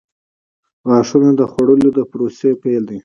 • غاښونه د خوړلو د پروسې پیل دی.